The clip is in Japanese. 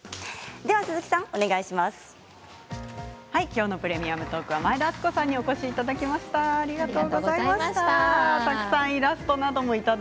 今日の「プレミアムトーク」は前田敦子さんにお越しいただきました。